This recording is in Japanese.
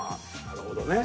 なるほどね。